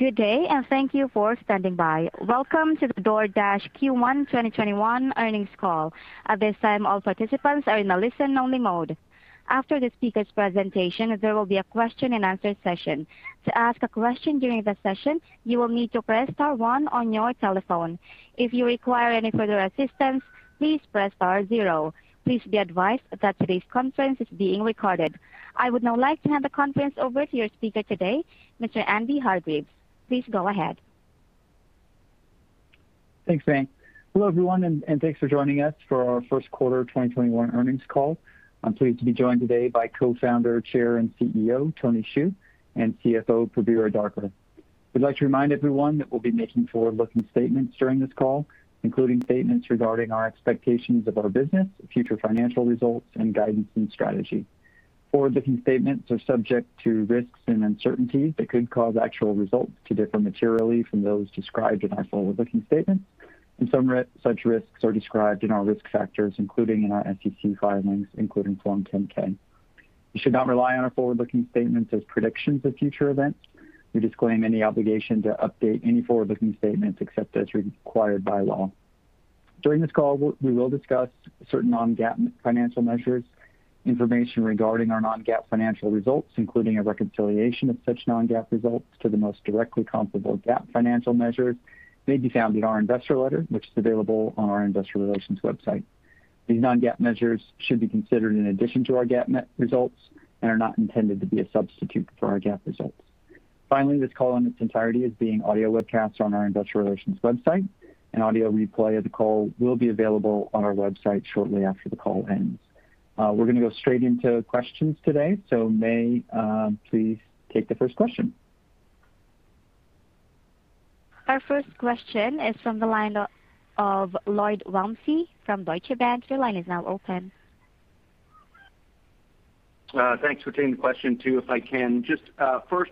I would now like to hand the conference over to your speaker today, Mr. Andy Hargreaves. Please go ahead. Thanks, May. Hello, everyone, and thanks for joining us for our First Quarter 2021 Earnings Call. I'm pleased to be joined today by Co-Founder, Chair, and CEO, Tony Xu, and CFO, Prabir Adarkar. We'd like to remind everyone that we will be making forward-looking statements during this call, including statements regarding our expectations of our business, future financial results, and guidance and strategy. Forward-looking statements are subject to risks and uncertainties that could cause actual results to differ materially from those described in our forward-looking statements, such risks are described in our risk factors, including in our SEC filings, including Form 10-K. You should not rely on our forward-looking statements as predictions of future events. We disclaim any obligation to update any forward-looking statements except as required by law. During this call, we will discuss certain non-GAAP financial measures. Information regarding our non-GAAP financial results, including a reconciliation of such non-GAAP results to the most directly comparable GAAP financial measures may be found in our investor letter, which is available on our investor relations website. These non-GAAP measures should be considered in addition to our GAAP results and are not intended to be a substitute for our GAAP results. This call in its entirety is being audio webcast on our investor relations website. An audio replay of the call will be available on our website shortly after the call ends. We're gonna go straight into questions today, May, please take the first question. Our first question is from the line of Lloyd Walmsley from Deutsche Bank. Thanks for taking the question. Two, if I can, just, first,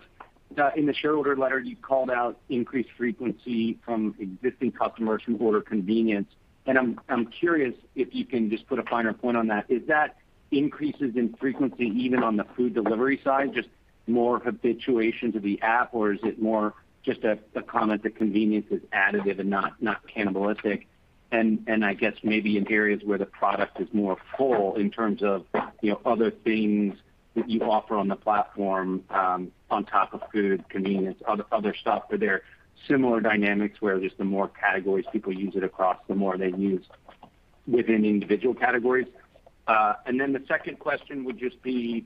in the shareholder letter, you called out increased frequency from existing customers who order convenience, and I'm curious if you can just put a finer point on that. Is that increases in frequency even on the food delivery side, just more habituation to the app, or is it more just a comment that convenience is additive and not cannibalistic? I guess maybe in areas where the product is more full in terms of, you know, other things that you offer on the platform, on top of food, convenience, other stuff. Are there similar dynamics where just the more categories people use it across, the more they use within individual categories? Then the second question would just be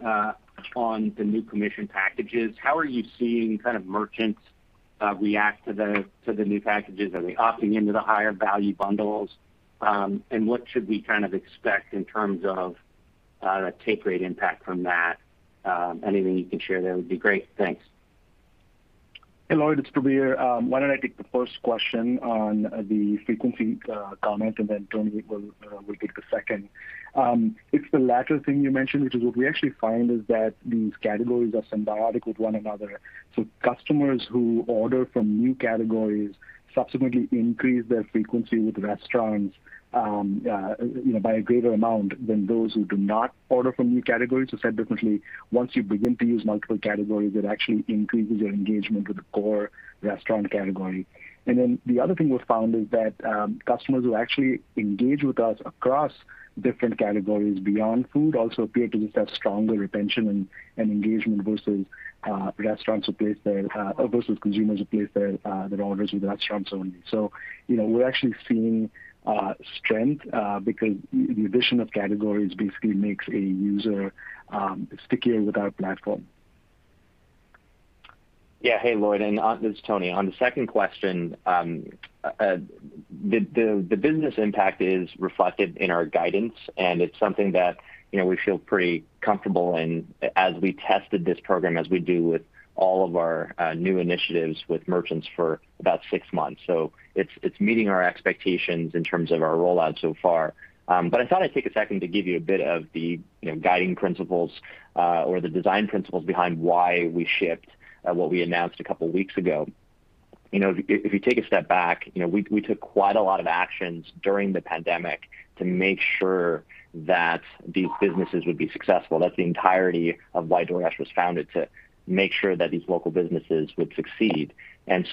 on the new commission packages. How are you seeing kind of merchants react to the, to the new packages? Are they opting into the higher value bundles? What should we kind of expect in terms of the take rate impact from that? Anything you can share there would be great. Thanks. Hey, Lloyd, it's Prabir. Why don't I take the first question on the frequency comment, Tony will take the second. It's the latter thing you mentioned, which is what we actually find is that these categories are symbiotic with one another. Customers who order from new categories subsequently increase their frequency with restaurants, you know, by a greater amount than those who do not order from new categories. Said differently, once you begin to use multiple categories, it actually increases your engagement with the core restaurant category. The other thing we found is that customers who actually engage with us across different categories beyond food also appear to just have stronger retention and engagement versus consumers who place their orders with restaurants only. You know, we're actually seeing strength because the addition of categories basically makes a user stickier with our platform. Hey, Lloyd, this is Tony. On the second question, the business impact is reflected in our guidance, and it's something that, you know, we feel pretty comfortable as we tested this program as we do with all of our new initiatives with merchants for about six months. It's meeting our expectations in terms of our rollout so far. I thought I'd take a second to give you a bit of the, you know, guiding principles or the design principles behind why we shipped what we announced a couple weeks ago. You know, if you take a step back, you know, we took quite a lot of actions during the pandemic to make sure that these businesses would be successful. That's the entirety of why DoorDash was founded, to make sure that these local businesses would succeed.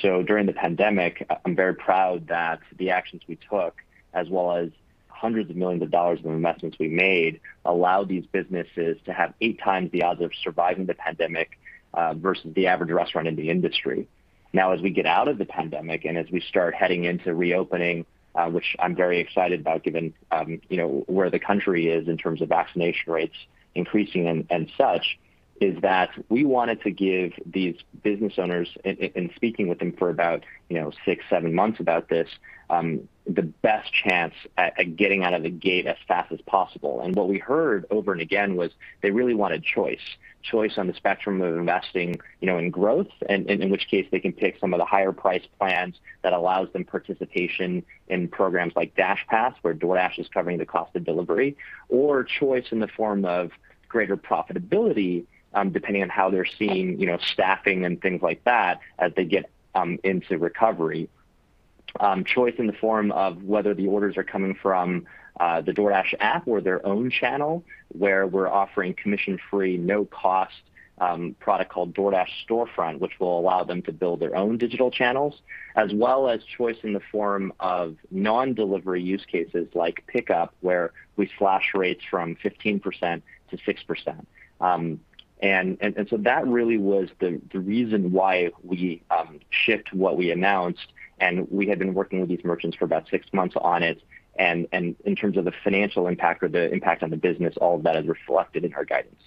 During the pandemic, I'm very proud that the actions we took, as well as hundreds of millions of dollars of investments we made, allowed these businesses to have 8x the odds of surviving the pandemic versus the average restaurant in the industry. Now, as we get out of the pandemic, as we start heading into reopening, which I'm very excited about given, you know, where the country is in terms of vaccination rates increasing and such, is that we wanted to give these business owners, in speaking with them for about, you know, six, seven months about this, the best chance at getting out of the gate as fast as possible. What we heard over and again was they really wanted choice on the spectrum of investing, you know, in growth, and in which case they can pick some of the higher priced plans that allows them participation in programs like DashPass, where DoorDash is covering the cost of delivery, or choice in the form of greater profitability, depending on how they're seeing, you know, staffing and things like that as they get into recovery. Choice in the form of whether the orders are coming from the DoorDash app or their own channel, where we're offering commission-free, no-cost product called DoorDash Storefront, which will allow them to build their own digital channels, as well as choice in the form of non-delivery use cases like pickup, where we slash rates from 15% to 6%. That really was the reason why we shift what we announced, and we had been working with these merchants for about six months on it. In terms of the financial impact or the impact on the business, all of that is reflected in our guidance.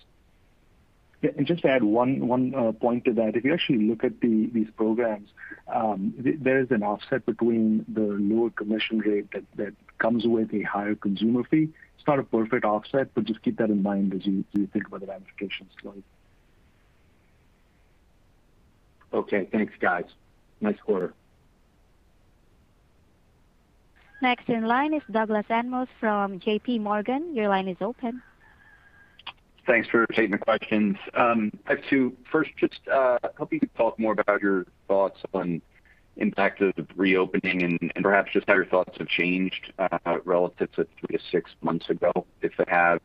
Just to add one point to that. If you actually look at these programs, there is an offset between the lower commission rate that comes with a higher consumer fee. It's not a perfect offset, just keep that in mind as you think about the ramifications. Okay, thanks, guys. Nice quarter. Next in line is Douglas Anmuth from JPMorgan. Your line is open. Thanks for taking the questions. I have two. First, just hoping you could talk more about your thoughts on impact of the reopening and perhaps just how your thoughts have changed relative to three to six months ago, if they have.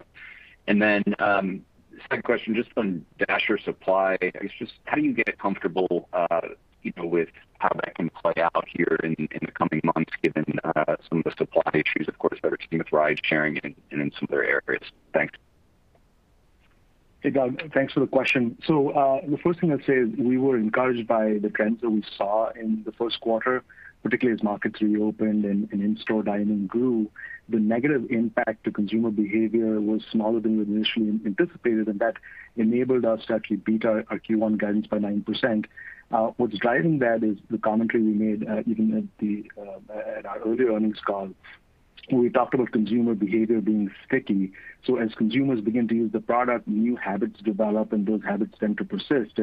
Second question, just on Dasher supply. I guess just how do you get comfortable, you know, with how that can play out here in the coming months, given some of the supply issues, of course, that we're seeing with ridesharing and in some other areas? Thanks. Hey, Doug, thanks for the question. The first thing I'd say is we were encouraged by the trends that we saw in the first quarter, particularly as markets reopened and in-store dining grew. The negative impact to consumer behavior was smaller than we initially anticipated, and that enabled us to actually beat our Q1 guidance by 9%. What's driving that is the commentary we made, even at the, at our earlier earnings call, we talked about consumer behavior being sticky. As consumers begin to use the product, new habits develop, and those habits tend to persist.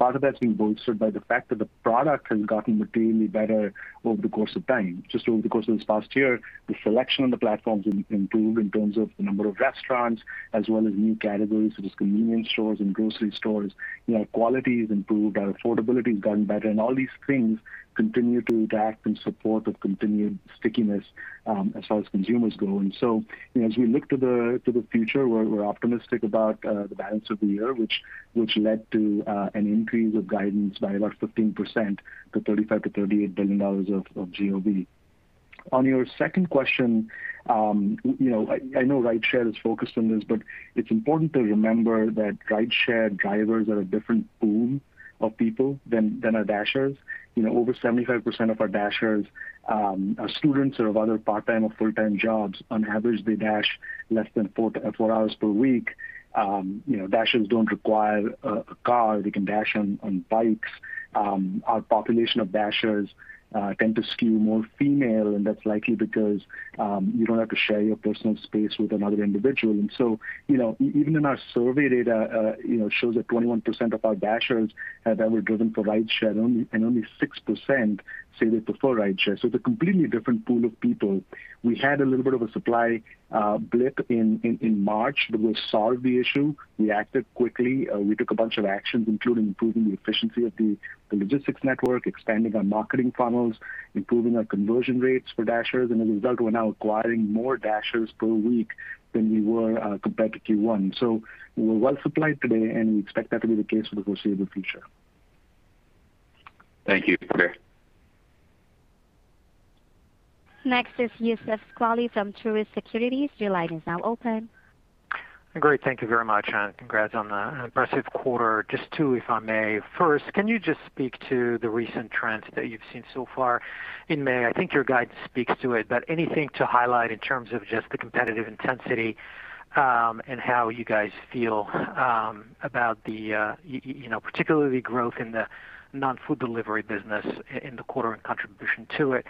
Part of that's been bolstered by the fact that the product has gotten materially better over the course of time. Just over the course of this past year, the selection on the platform's improved in terms of the number of restaurants as well as new categories such as convenience stores and grocery stores. You know, quality's improved, our affordability's gotten better, and all these things continue to act in support of continued stickiness, as far as consumers go. You know, as we look to the future, we're optimistic about the balance of the year, which led to an increase of guidance by about 15% to $35 billion-$38 billion of GOV. On your second question, you know, I know rideshare is focused on this, but it's important to remember that rideshare drivers are a different pool of people than are Dashers. You know, over 75% of our Dashers are students who have other part-time or full-time jobs. On average, they dash less than four hours per week. You know, Dashers don't require a car. They can dash on bikes. Our population of Dashers tend to skew more female, that's likely because you don't have to share your personal space with another individual. You know, even in our survey data, you know, shows that 21% of our Dashers have ever driven for rideshare only, and only 6% say they prefer rideshare. It's a completely different pool of people. We had a little bit of a supply blip in March, we've solved the issue. We acted quickly. We took a bunch of actions, including improving the efficiency of the logistics network, expanding our marketing funnels, improving our conversion rates for Dashers. As a result, we're now acquiring more Dashers per week than we were compared to Q1. We're well supplied today, and we expect that to be the case for the foreseeable future. Thank you. Prabir. Next is Youssef Squali from Truist Securities. Your line is now open. Great. Thank you very much, and congrats on the impressive quarter. Just two, if I may. First, can you just speak to the recent trends that you've seen so far in May? I think your guidance speaks to it, but anything to highlight in terms of just the competitive intensity, and how you guys feel about the, you know, particularly growth in the non-food delivery business in the quarter and contribution to it.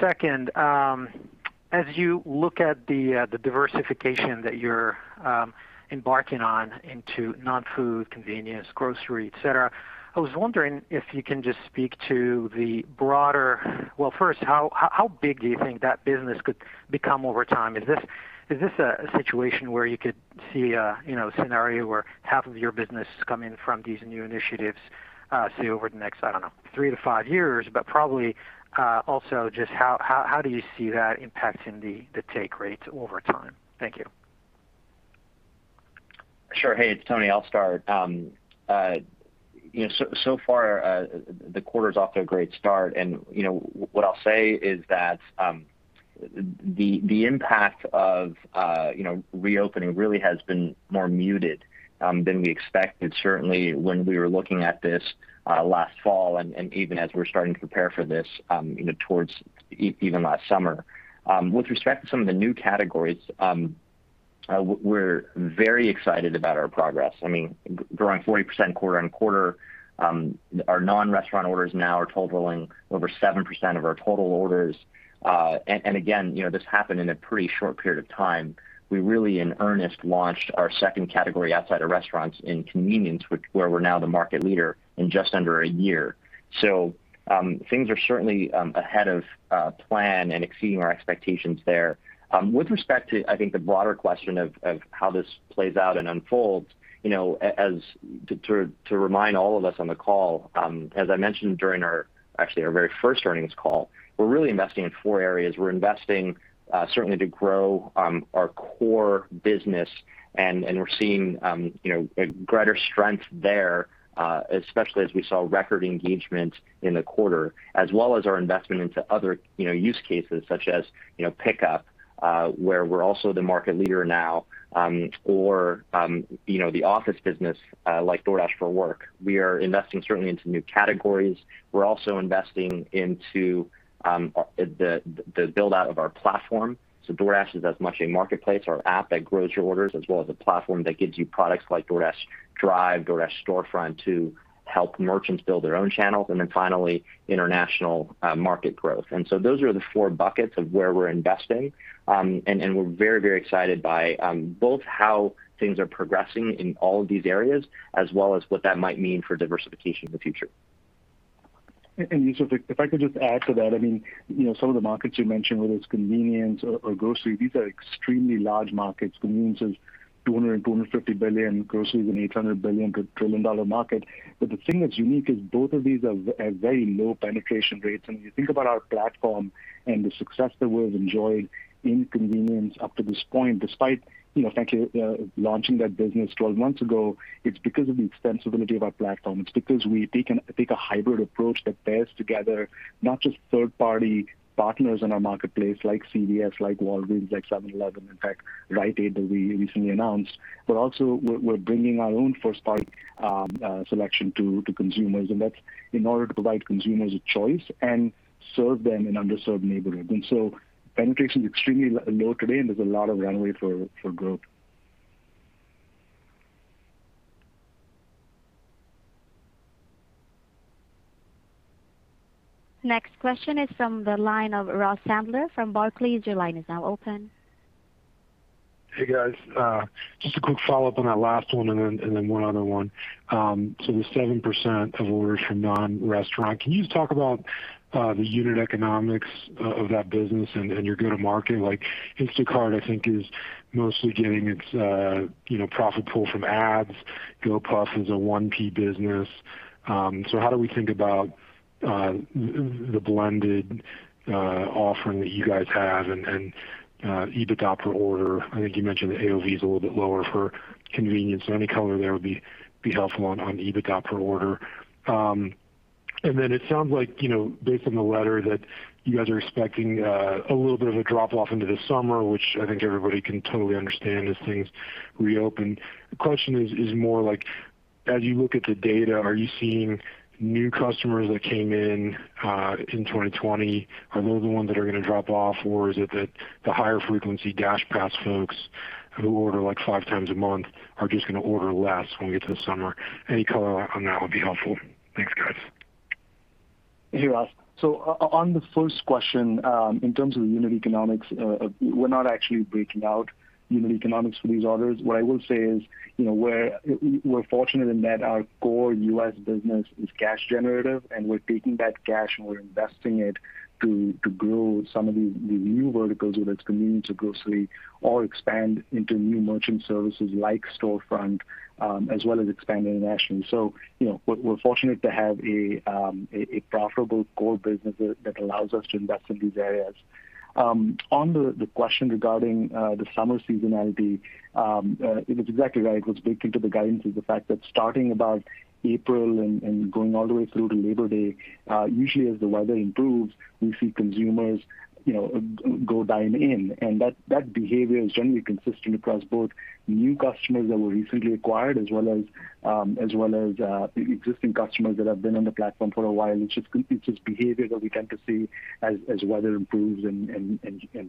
Second, as you look at the diversification that you're embarking on into non-food, convenience, grocery, et cetera, I was wondering if you can just speak to the broader how big do you think that business could become over time? Is this a situation where you could see a, you know, scenario where half of your business is coming from these new initiatives, say, over the next, I don't know, three to five years? Probably, also just how do you see that impacting the take rates over time? Thank you. Sure. Hey, it's Tony. I'll start. You know, so far, the quarter's off to a great start. You know, what I'll say is that, the impact of, you know, reopening really has been more muted than we expected, certainly when we were looking at this last fall and even as we're starting to prepare for this, you know, towards even last summer. With respect to some of the new categories, we're very excited about our progress. I mean, growing 40% quarter-over-quarter. Our non-restaurant orders now are totaling over 7% of our total orders. Again, you know, this happened in a pretty short period of time. We really in earnest launched our second category outside of restaurants in convenience, which where we're now the market leader in just under a year. Things are certainly ahead of plan and exceeding our expectations there. With respect to, I think, the broader question of how this plays out and unfolds, you know, as to remind all of us on the call, as I mentioned during our, actually our very first earnings call, we're really investing in four areas. We're investing certainly to grow our core business, and we're seeing, you know, a greater strength there, especially as we saw record engagement in the quarter, as well as our investment into other, you know, use cases such as, you know, pickup, where we're also the market leader now, or, you know, the office business, like DoorDash for Work. We are investing certainly into new categories. We're also investing into the build-out of our platform. DoorDash is as much a marketplace or app that grows your orders, as well as a platform that gives you products like DoorDash Drive, DoorDash Storefront to help merchants build their own channels. Finally, international market growth. Those are the four buckets of where we're investing. We're very excited by both how things are progressing in all of these areas, as well as what that might mean for diversification in the future. If I could just add to that, I mean, you know, some of the markets you mentioned, whether it's convenience or grocery, these are extremely large markets. Convenience is $200 billion-$250 billion, grocery is an $800 billion-$1 trillion market. The thing that's unique is both of these have very low penetration rates. When you think about our platform and the success that we've enjoyed in convenience up to this point, despite, you know, frankly, launching that business 12 months ago, it's because of the extensibility of our platform. It's because we take a hybrid approach that pairs together not just third-party partners in our marketplace like CVS, like Walgreens, like 7-Eleven, in fact, Rite Aid that we recently announced, but also we're bringing our own first-party selection to consumers. That's in order to provide consumers a choice and serve them in underserved neighborhoods. Penetration is extremely low today, and there's a lot of runway for growth. Next question is from the line of Ross Sandler from Barclays. Your line is now open. Hey, guys. Just a quick follow-up on that last one and then one other one. The 7% of orders from non-restaurant, can you just talk about the unit economics of that business and your go-to-market? Like, Instacart, I think, is mostly getting its, you know, profit pull from ads. Gopuff is a 1P business. How do we think about the blended offering that you guys have and EBITDA per order? I think you mentioned the AOV is a little bit lower for convenience. Any color there would be helpful on EBITDA per order. It sounds like, you know, based on the letter, that you guys are expecting a little bit of a drop-off into the summer, which I think everybody can totally understand as things reopen. The question is more like as you look at the data, are you seeing new customers that came in in 2020, are they the ones that are gonna drop off? Or is it that the higher frequency DashPass folks who order like 5x a month are just gonna order less when we get to the summer? Any color on that would be helpful. Thanks, guys. Hey, Ross. On the first question, in terms of unit economics, we're not actually breaking out unit economics for these orders. What I will say is, you know, we're fortunate in that our core U.S. business is cash generative, and we're taking that cash, and we're investing it to grow these new verticals, whether it's convenience or grocery, or expand into new merchant services like Storefront, as well as expand internationally. You know, we're fortunate to have a profitable core business that allows us to invest in these areas. On the question regarding the summer seasonality, it was exactly right. It was baked into the guidance is the fact that starting about April and going all the way through to Labor Day, usually as the weather improves, we see consumers, you know, go dine in. That behavior is generally consistent across both new customers that were recently acquired as well as existing customers that have been on the platform for a while, which is behavior that we tend to see as weather improves and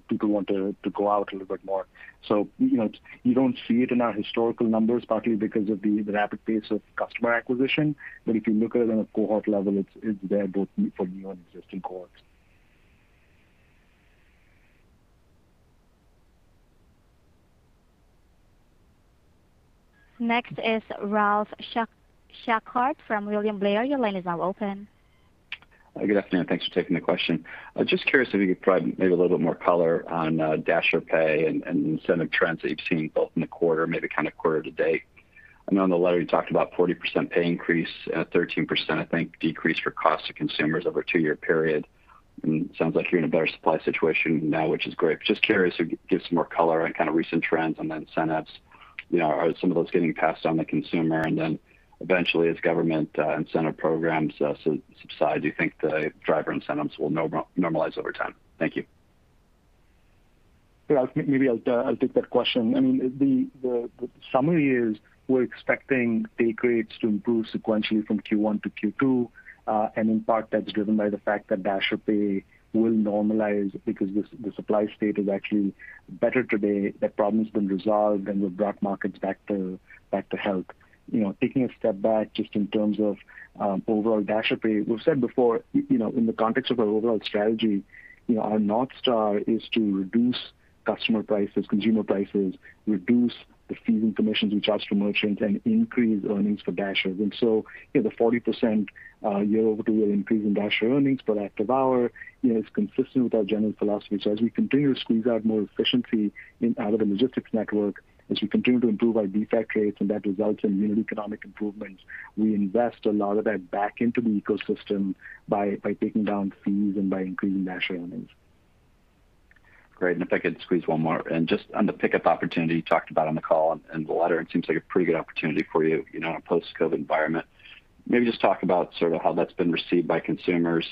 people want to go out a little bit more. You know, you don't see it in our historical numbers, partly because of the rapid pace of customer acquisition. If you look at it on a cohort level, it's there both for new and existing cohorts. Next is Ralph Schackart from William Blair. Your line is now open. Good afternoon. Thanks for taking the question. Just curious if you could provide maybe a little bit more color on Dasher pay and incentive trends that you've seen both in the quarter, maybe kind of quarter-to-date. I know in the letter you talked about 40% pay increase at 13%, I think, decrease for cost to consumers over a two-year period. Sounds like you're in a better supply situation now, which is great, but just curious if you could give some more color on kind of recent trends on the incentives. You know, are some of those getting passed on to consumer? Eventually, as government incentive programs subside, do you think the driver incentives will normalize over time? Thank you. I'll take that question. I mean, the summary is we're expecting take rates to improve sequentially from Q1 to Q2. In part, that's driven by the fact that Dasher pay will normalize because the supply state is actually better today. That problem's been resolved, we've brought markets back to health. You know, taking a step back just in terms of overall Dasher pay, we've said before, you know, in the context of our overall strategy, you know, our North Star is to reduce customer prices, consumer prices, reduce the fees and commissions we charge to merchants, and increase earnings for Dashers. You know, the 40% year-over-year increase in Dasher earnings per active hour, you know, is consistent with our general philosophy. As we continue to squeeze out more efficiency out of the logistics network, as we continue to improve our defect rates and that results in unit economic improvements, we invest a lot of that back into the ecosystem by taking down fees and by increasing Dasher earnings. Great. If I could squeeze one more. Just on the pickup opportunity you talked about on the call and the letter, it seems like a pretty good opportunity for you know, in a post-COVID environment. Maybe just talk about sort of how that's been received by consumers,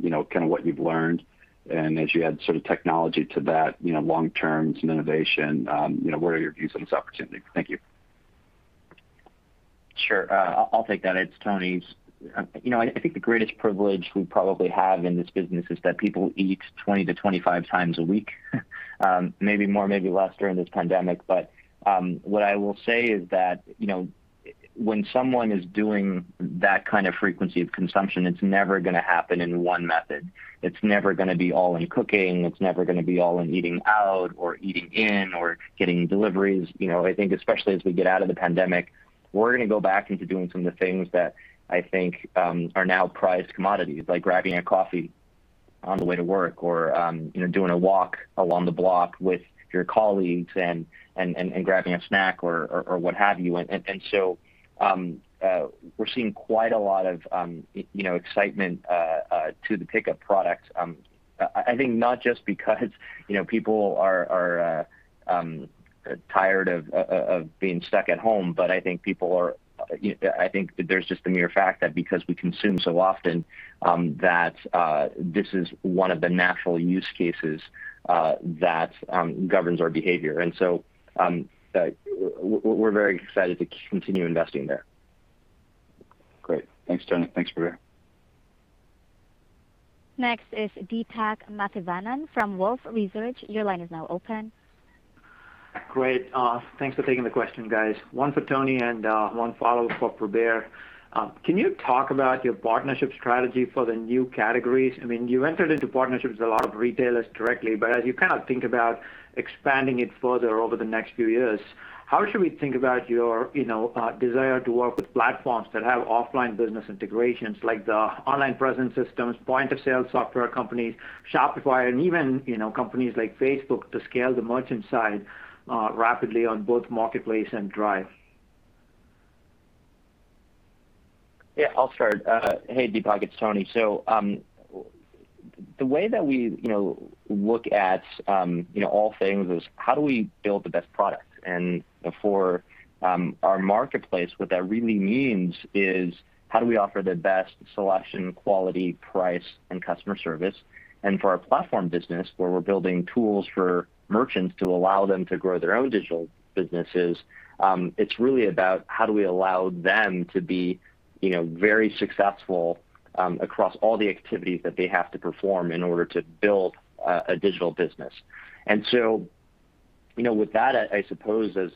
you know, kind of what you've learned. As you add sort of technology to that, you know, long-term some innovation, you know, what are your views on this opportunity? Thank you. Sure. I'll take that. It's Tony's. You know, I think the greatest privilege we probably have in this business is that people eat 20x to 25x a week, maybe more, maybe less during this pandemic. What I will say is that, you know, when someone is doing that kind of frequency of consumption, it's never gonna happen in one method. It's never gonna be all in cooking. It's never gonna be all in eating out or eating in or getting deliveries. You know, I think especially as we get out of the pandemic, we're gonna go back into doing some of the things that I think are now prized commodities, like grabbing a coffee on the way to work or, you know, doing a walk along the block with your colleagues and grabbing a snack or what have you. We're seeing quite a lot of, you know, excitement to the pickup product. I think not just because, you know, people are tired of being stuck at home, but I think people are, you know, I think there's just the mere fact that because we consume so often, that this is one of the natural use cases that governs our behavior. We're very excited to continue investing there. Great. Thanks, Tony. Thanks, Prabir. Next is Deepak Mathivanan from Wolfe Research. Your line is now open. Great. Thanks for taking the question, guys. One for Tony and one follow-up for Prabir. Can you talk about your partnership strategy for the new categories? I mean, you entered into partnerships with a lot of retailers directly, but as you kind of think about expanding it further over the next few years, how should we think about your, you know, desire to work with platforms that have offline business integrations, like the online presence systems, point-of-sale software companies, Shopify, and even, you know, companies like Facebook to scale the merchant side rapidly on both marketplace and drive? Yeah, I'll start. Hey, Deepak, it's Tony. The way that we, you know, look at, you know, all things is how do we build the best product? For our marketplace, what that really means is how do we offer the best selection, quality, price, and customer service? For our platform business, where we're building tools for merchants to allow them to grow their own digital businesses, it's really about how do we allow them to be, you know, very successful, across all the activities that they have to perform in order to build a digital business. With that, I suppose, as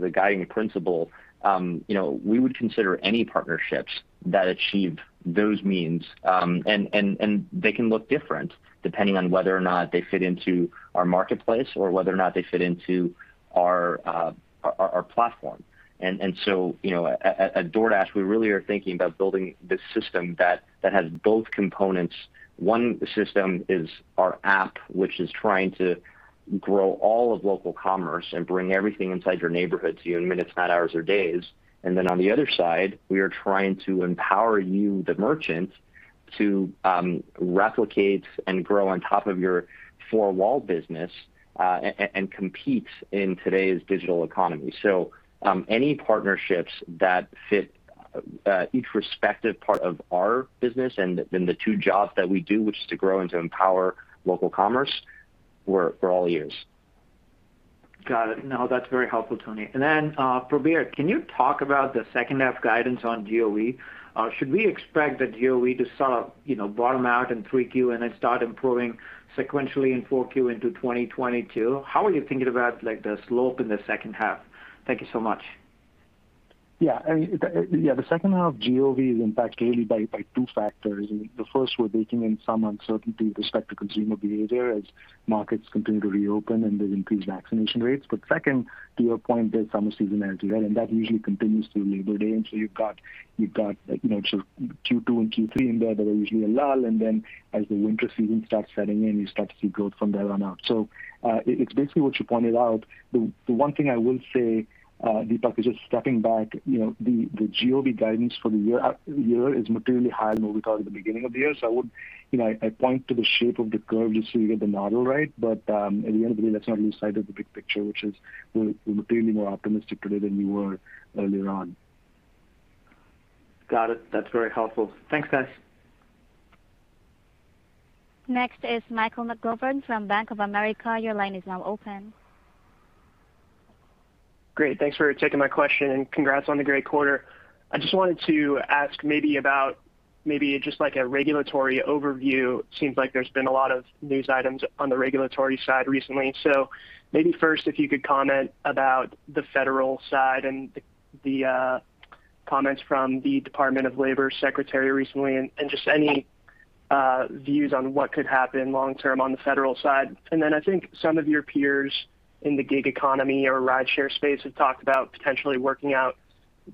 the guiding principle, you know, we would consider any partnerships that achieve those means and they can look different depending on whether or not they fit into our marketplace or whether or not they fit into our platform. you know, at DoorDash, we really are thinking about building this system that has both components. One system is our app, which is trying to grow all of local commerce and bring everything inside your neighborhood to you in minutes, not hours or days on the other side, we are trying to empower you, the merchant, to replicate and grow on top of your four-wall business and compete in today's digital economy any partnerships that fit each respective part of our business and then the two jobs that we do, which is to grow and to empower local commerce, we're all ears. Got it. No, that's very helpful, Tony. Prabir, can you talk about the second half guidance on GOV? Should we expect the GOV to sort of, you know, bottom out in 3Q and then start improving sequentially in 4Q into 2022? How are you thinking about, like, the slope in the second half? Thank you so much. Yeah. I mean, yeah, the second half GOV is impacted really by two factors. The first, we're baking in some uncertainty with respect to consumer behavior as markets continue to reopen and there's increased vaccination rates. Second, to your point, there's some seasonality there, and that usually continues through Labor Day. You've got, you know, sort of Q2 and Q3 in there that are usually a lull. As the winter season starts setting in, you start to see growth from there on out. It, it's basically what you pointed out. The, the one thing I will say, Deepak, is just stepping back, you know, the GOV guidance for the year is materially higher than what we thought at the beginning of the year. I would, you know, I point to the shape of the curve just so you get the model right. At the end of the day, let's not lose sight of the big picture, which is we're materially more optimistic today than we were earlier on. Got it. That's very helpful. Thanks, guys. Next is Michael McGovern from Bank of America. Your line is now open. Great. Thanks for taking my question, and congrats on the great quarter. I just wanted to ask maybe about just like a regulatory overview. Seems like there's been a lot of news items on the regulatory side recently. Maybe first, if you could comment about the federal side and the comments from the Department of Labor secretary recently, and just any views on what could happen long term on the federal side. Then I think some of your peers in the gig economy or rideshare space have talked about potentially working out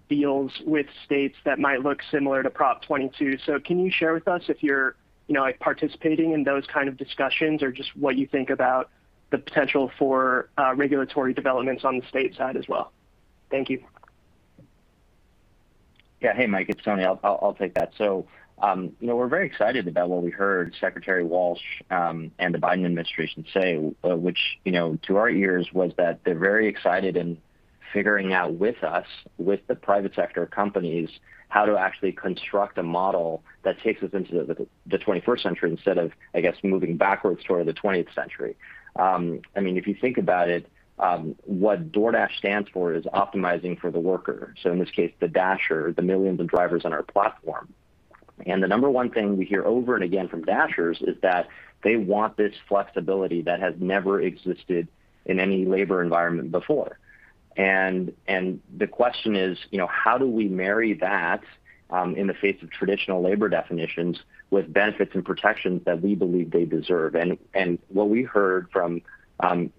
deals with states that might look similar to Proposition 22. Can you share with us if you're, you know, like, participating in those kind of discussions or just what you think about the potential for regulatory developments on the state side as well? Thank you. Yeah. Hey, Mike, it's Tony. I'll take that. We're very excited about what we heard Secretary Walsh and the Biden administration say, which to our ears was that they're very excited in figuring out with us, with the private sector companies, how to actually construct a model that takes us into the 21st century instead of moving backwards toward the 20th century. If you think about it, what DoorDash stands for is optimizing for the worker, so in this case, the Dasher, the millions of drivers on our platform. The number one thing we hear over and again from Dashers is that they want this flexibility that has never existed in any labor environment before. The question is, you know, how do we marry that in the face of traditional labor definitions with benefits and protections that we believe they deserve? What we heard from, you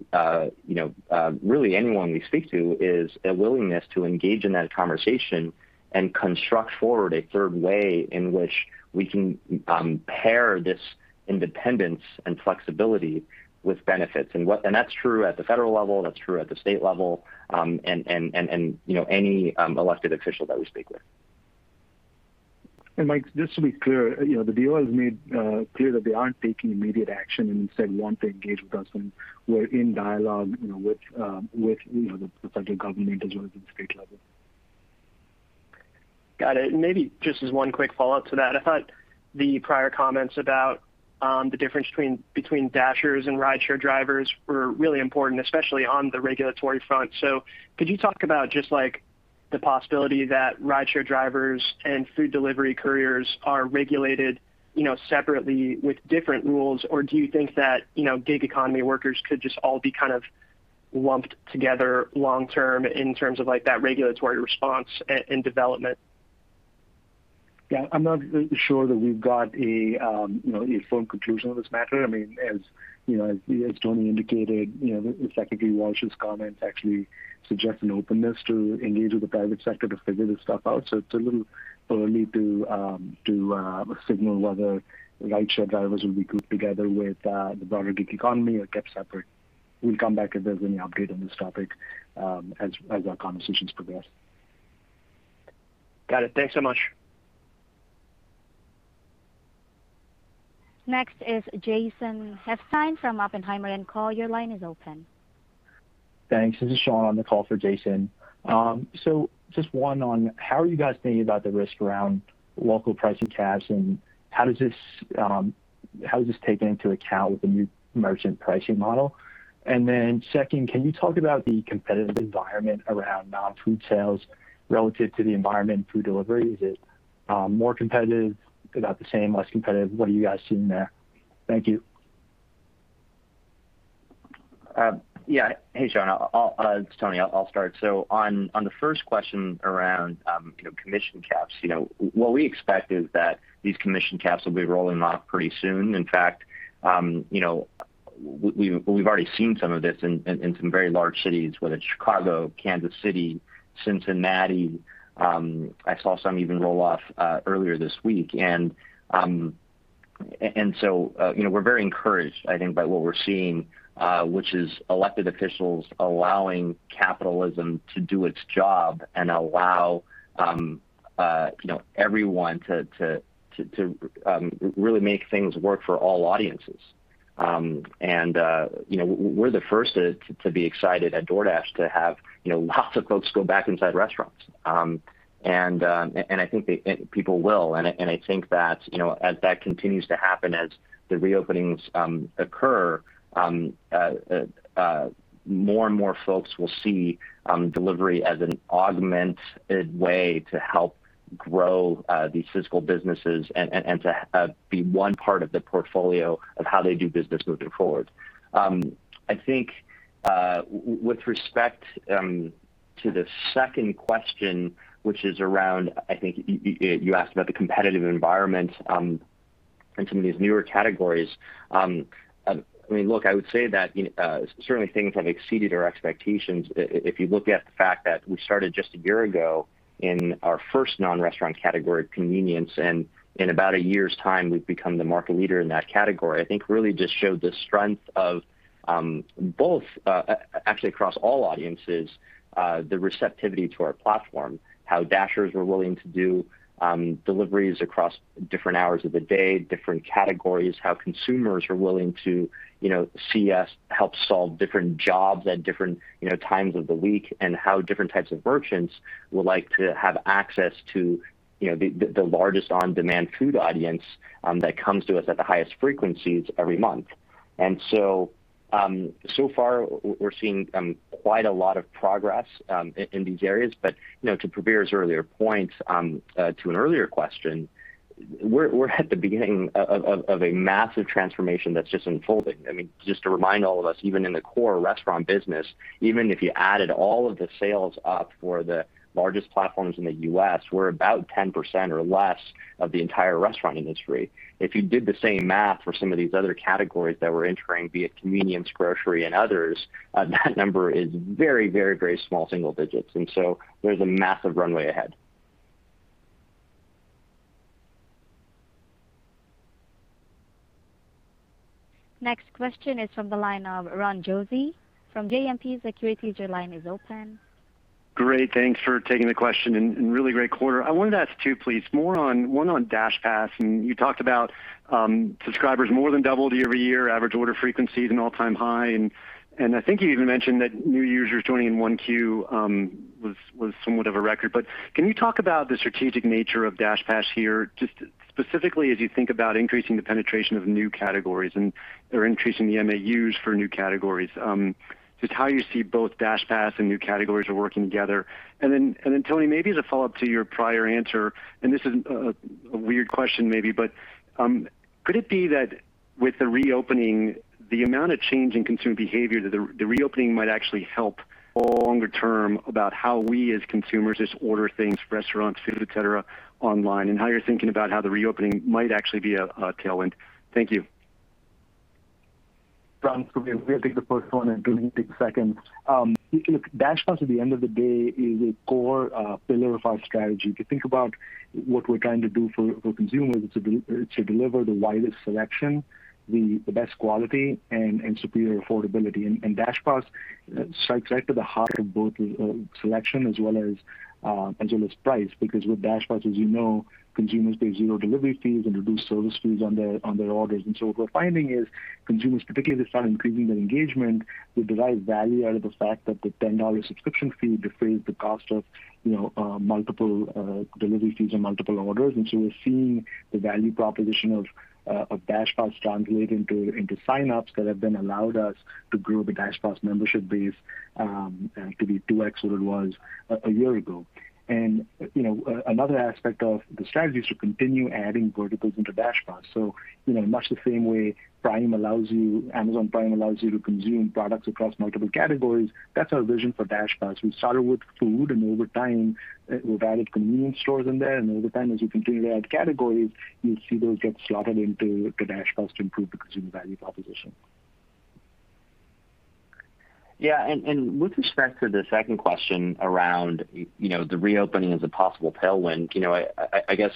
know, really anyone we speak to is a willingness to engage in that conversation and construct forward a third way in which we can pair this independence and flexibility with benefits. That's true at the federal level, that's true at the state level, and, you know, any elected official that we speak with. Mike, just to be clear, the DOL has made clear that they aren't taking immediate action and instead want to engage with us, and we're in dialogue with the federal government as well as at the state level. Got it. Maybe just as one quick follow-up to that, I thought the prior comments about the difference between Dashers and rideshare drivers were really important, especially on the regulatory front. Could you talk about just, like, the possibility that rideshare drivers and food delivery couriers are regulated, you know, separately with different rules, or do you think that, you know, gig economy workers could just all be kind of lumped together long term in terms of, like, that regulatory response and development? Yeah. I'm not sure that we've got a, you know, a firm conclusion on this matter. I mean, as, you know, as Tony indicated, you know, Secretary Walsh's comments actually suggest an openness to engage with the private sector to figure this stuff out, It's a little early to signal whether rideshare drivers will be grouped together with the broader gig economy or kept separate. We'll come back if there's any update on this topic, as our conversations progress. Got it. Thanks so much. Next is Jason Helfstein from Oppenheimer. Call, your line is open. Thanks. This is Sean on the call for Jason. Just one on how are you guys thinking about the risk around local pricing caps, and how is this taken into account with the new merchant pricing model? Second, can you talk about the competitive environment around non-food sales relative to the environment in food delivery? Is it more competitive, about the same, less competitive? What are you guys seeing there? Thank you. Yeah. Hey, Sean. I'll It's Tony. I'll start. On, on the first question around, you know, commission caps, you know, what we expect is that these commission caps will be rolling off pretty soon. In fact, you know, we've already seen some of this in some very large cities, whether it's Chicago, Kansas City, Cincinnati. I saw some even roll off earlier this week. You know, we're very encouraged, I think, by what we're seeing, which is elected officials allowing capitalism to do its job and allow, you know, everyone to really make things work for all audiences. You know, we're the first to be excited at DoorDash to have, you know, lots of folks go back inside restaurants. I think they, and people will. I think that, you know, as that continues to happen, as the reopenings occur, more and more folks will see delivery as an augmented way to help grow these physical businesses and to be one part of the portfolio of how they do business moving forward. I think, with respect to the second question, which is around, I think, you asked about the competitive environment and some of these newer categories. I mean, look, I would say that, you know, certainly things have exceeded our expectations. If you look at the fact that we started just a year ago in our first non-restaurant category of convenience, and in about a year's time, we've become the market leader in that category, I think really just showed the strength of, both, actually across all audiences, the receptivity to our platform, how Dashers are willing to do deliveries across different hours of the day, different categories, how consumers are willing to, you know, see us help solve different jobs at different, you know, times of the week, and how different types of merchants would like to have access to, you know, the largest on-demand food audience that comes to us at the highest frequencies every month. So far we're seeing quite a lot of progress in these areas. You know, to Prabir's earlier point, to an earlier question, we're at the beginning of a massive transformation that's just unfolding. I mean, just to remind all of us, even in the core restaurant business, even if you added all of the sales up for the largest platforms in the U.S., we're about 10% or less of the entire restaurant industry. If you did the same math for some of these other categories that we're entering, be it convenience, grocery, and others, that number is very, very, very small single digits, there's a massive runway ahead. Next question is from the line of Ron Josey from JMP Securities. Your line is open. Great. Thanks for taking the question, and really great quarter. I wanted to ask two, please. One on DashPass, you talked about subscribers more than doubled year-over-year, average order frequency is an all-time high, and I think you even mentioned that new users joining in Q1 was somewhat of a record. Can you talk about the strategic nature of DashPass here, just specifically as you think about increasing the penetration of new categories and, or increasing the MAUs for new categories? Just how you see both DashPass and new categories are working together. Tony, maybe as a follow-up to your prior answer, this is a weird question maybe, but could it be that with the reopening, the amount of change in consumer behavior, that the reopening might actually help longer term about how we as consumers just order things, restaurants, food, et cetera, online, and how you're thinking about how the reopening might actually be a tailwind? Thank you. Ron, Prabir will take the first one and Tony take the second. Look, DashPass at the end of the day is a core pillar of our strategy. If you think about what we're trying to do for consumers, it's to deliver the widest selection, the best quality, and superior affordability. DashPass strikes right to the heart of both selection as well as price. Because with DashPass, as you know, consumers pay zero delivery fees and reduced service fees on their orders. What we're finding is consumers, particularly as they start increasing their engagement, they derive value out of the fact that the $10 subscription fee defrays the cost of, you know, multiple delivery fees and multiple orders. We're seeing the value proposition of DashPass translate into signups that have then allowed us to grow the DashPass membership base to be 2x what it was a year ago. You know, another aspect of the strategy is to continue adding verticals into DashPass. You know, much the same way Amazon Prime allows you to consume products across multiple categories, that's our vision for DashPass. We started with food, over time, we've added convenience stores in there. Over time, as we continue to add categories, you'll see those get slotted into the DashPass to improve the consumer value proposition. With respect to the second question around, you know, the reopening as a possible tailwind, you know, I guess,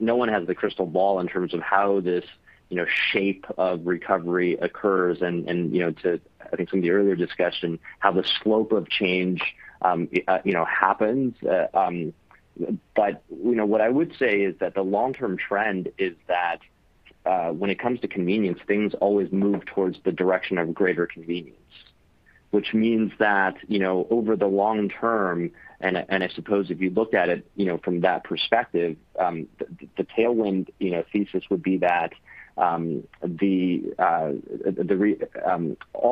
no one has the crystal ball in terms of how this, you know, shape of recovery occurs and, you know, to, I think from the earlier discussion, how the slope of change, you know, happens. You know, what I would say is that the long-term trend is that, when it comes to convenience, things always move towards the direction of greater convenience. Means that, you know, over the long term, and I suppose if you looked at it, you know, from that perspective, the tailwind, you know, thesis would be that, all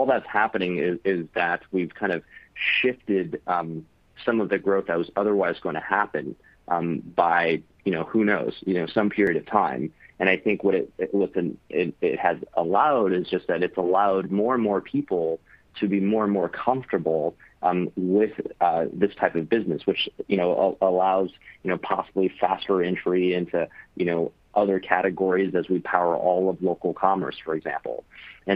that's happening is that we've kind of shifted, some of the growth that was otherwise gonna happen, by, you know, who knows, you know, some period of time. I think what it has allowed is just that it's allowed more and more people to be more and more comfortable, with this type of business, which, you know, allows, you know, possibly faster entry into, you know, other categories as we power all of local commerce, for example. I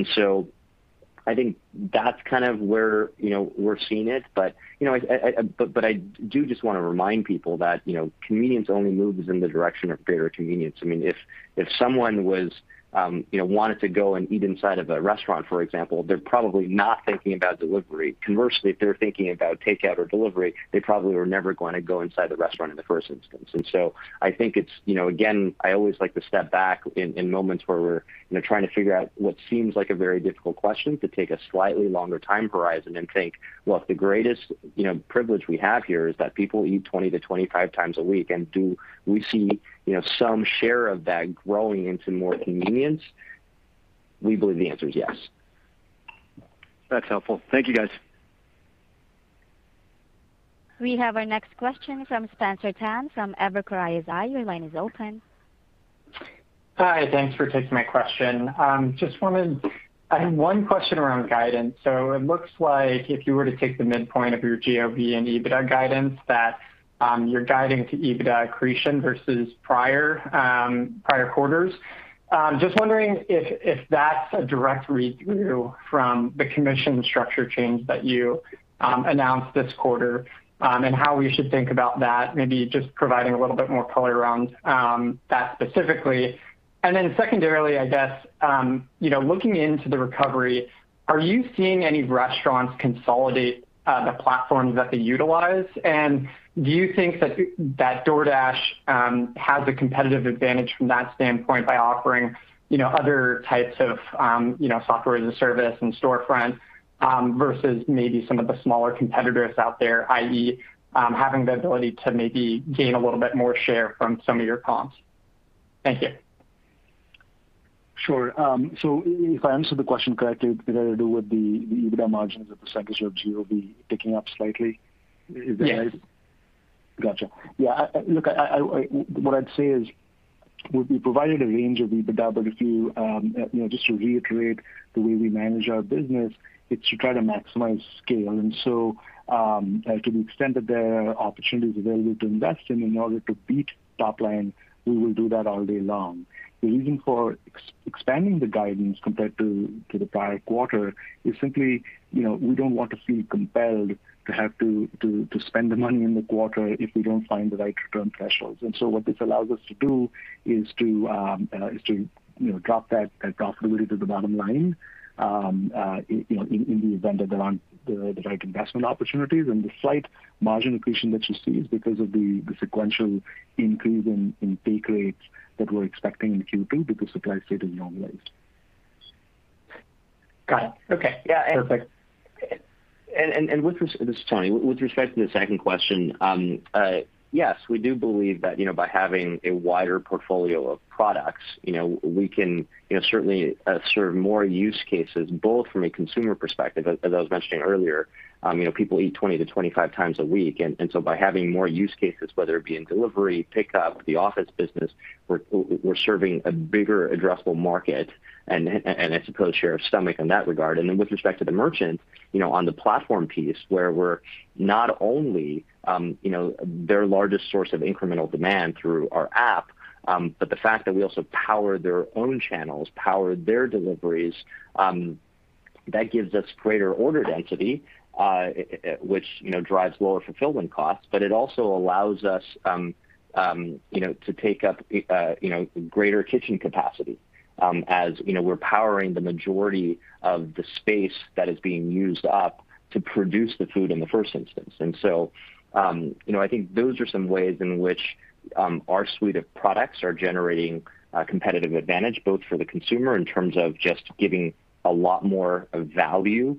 think that's kind of where, you know, we're seeing it. You know, I do just wanna remind people that, you know, convenience only moves in the direction of greater convenience. I mean, if someone was, you know, wanted to go and eat inside of a restaurant, for example, they're probably not thinking about delivery. Conversely, if they're thinking about takeout or delivery, they probably were never gonna go inside the restaurant in the first instance. I think it's, you know, again, I always like to step back in moments where we're, you know, trying to figure out what seems like a very difficult question, to take a slightly longer time horizon and think, "Well, if the greatest, you know, privilege we have here is that people eat 20x to 25x a week, and do we see, you know, some share of that growing into more convenience?" We believe the answer is yes. That's helpful. Thank you, guys. We have our next question from Spencer Tan from Evercore ISI. Your line is open. Hi, thanks for taking my question. I had one question around guidance. It looks like if you were to take the midpoint of your GOV and EBITDA guidance, that you're guiding to EBITDA accretion versus prior prior quarters. Just wondering if that's a direct read-through from the commission structure change that you announced this quarter, and how we should think about that, maybe just providing a little bit more color around that specifically. Secondarily, I guess, you know, looking into the recovery, are you seeing any restaurants consolidate the platforms that they utilize? Do you think that DoorDash has a competitive advantage from that standpoint by offering, you know, other types of, you know, software as a service and Storefront, versus maybe some of the smaller competitors out there, i.e., having the ability to maybe gain a little bit more share from some of your comps? Thank you. Sure. If I answered the question correctly, it had to do with the EBITDA margins at the [segment service level] picking up slightly. Is that right? Yes. Gotcha. Yeah, I, look, what I'd say is we provided a range of EBITDA. If you know, just to reiterate the way we manage our business, it's to try to maximize scale. To the extent that there are opportunities available to invest in order to beat top line, we will do that all day long. The reason for expanding the guidance compared to the prior quarter is simply, you know, we don't want to feel compelled to have to spend the money in the quarter if we don't find the right return thresholds. What this allows us to do is to, you know, drop that profitability to the bottom line, you know, in the event that there aren't the right investment opportunities. The slight margin accretion that you see is because of the sequential increase in take rates that we're expecting in Q2 because supply state is normalized. Got it. Okay. Yeah, perfect. This is Tony. With respect to the second question, yes, we do believe that, you know, by having a wider portfolio of products, you know, we can, you know, certainly serve more use cases, both from a consumer perspective, as I was mentioning earlier, you know, people eat 20x to 25x a week. By having more use cases, whether it be in delivery, pickup, the office business, we're serving a bigger addressable market and I suppose share of stomach in that regard. With respect to the merchant, you know, on the platform piece where we're not only, you know, their largest source of incremental demand through our app, but the fact that we also power their own channels, power their deliveries, that gives us greater order density, which, you know, drives lower fulfillment costs. It also allows us, you know, to take up, you know, greater kitchen capacity, as, you know, we're powering the majority of the space that is being used up to produce the food in the first instance. You know, I think those are some ways in which our suite of products are generating competitive advantage, both for the consumer in terms of just giving a lot more value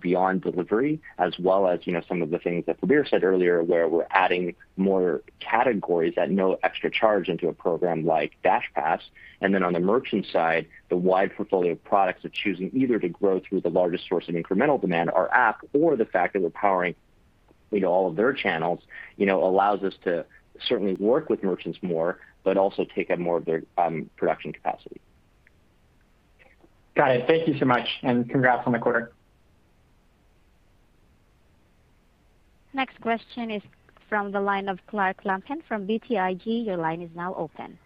beyond delivery, as well as, you know, some of the things that Prabir said earlier, where we're adding more categories at no extra charge into a program like DashPass. On the merchant side, the wide portfolio of products are choosing either to grow through the largest source of incremental demand, our app, or the fact that we're powering, you know, all of their channels, you know, allows us to certainly work with merchants more, but also take up more of their production capacity. Got it. Thank you so much, and congrats on the quarter. Next question is from the line of Clark Lampen from BTIG. Your line is now open.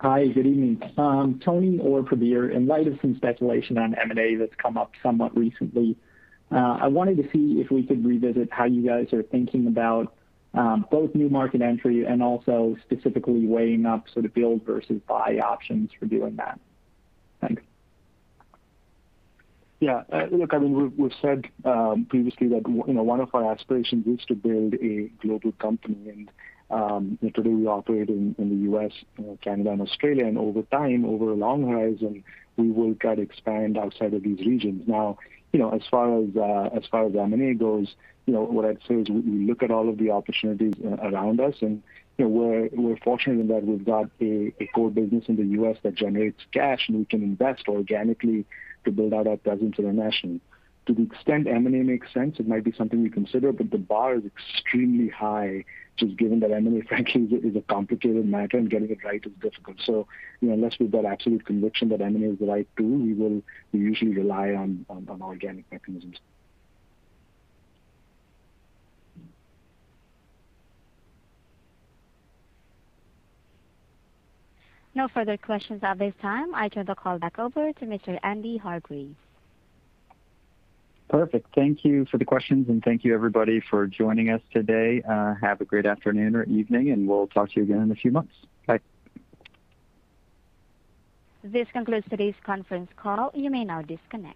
Hi, good evening. Tony or Prabir, in light of some speculation on M&A that's come up somewhat recently, I wanted to see if we could revisit how you guys are thinking about both new market entry and also specifically weighing up sort of build versus buy options for doing that. Thanks. Yeah. Look, I mean, we've said previously that you know, one of our aspirations is to build a global company. You know, today we operate in the U.S., you know, Canada and Australia, and over time, over a long horizon, we will try to expand outside of these regions. Now, you know, as far as M&A goes, you know, what I'd say is we look at all of the opportunities around us, and, you know, we're fortunate in that we've got a core business in the U.S. that generates cash, and we can invest organically to build out our presence internationally. To the extent M&A makes sense, it might be something we consider, but the bar is extremely high, just given that M&A frankly is a, is a complicated matter, and getting it right is difficult. You know, unless we've got absolute conviction that M&A is the right tool, we will usually rely on organic mechanisms. No further questions at this time. I turn the call back over to Mr. Andy Hargreaves. Perfect. Thank you for the questions. Thank you everybody for joining us today. Have a great afternoon or evening. We'll talk to you again in a few months. Bye. This concludes today's conference call. You may now disconnect.